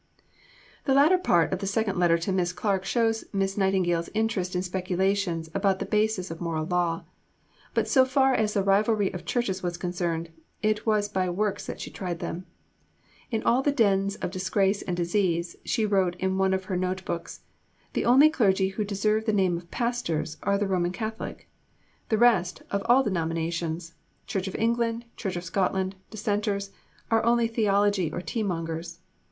The latter part of the second letter to Miss Clarke shows Miss Nightingale's interest in speculations about the basis of moral law; but so far as the rivalry of Churches was concerned, it was by works that she tried them. "In all the dens of disgrace and disease," she wrote in one of her note books (1849), "the only clergy who deserve the name of pastors are the Roman Catholic. The rest, of all denominations Church of England, Church of Scotland, Dissenters are only theology or tea mongers."